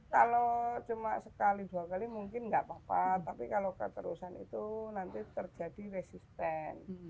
kalau cuma sekali dua kali mungkin nggak apa apa tapi kalau keterusan itu nanti terjadi resisten